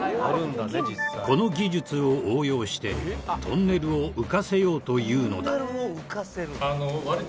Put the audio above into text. この技術を応用してトンネルを浮かせようというのだ。